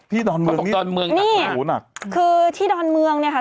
ที่ดอนเมืองนี่นี่คือที่ดอนเมืองเนี่ยค่ะ